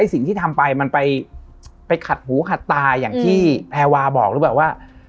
สิ่งที่ทำไปมันไปขัดหูขัดตาอย่างที่แพรวาบอกหรือเปล่าว่า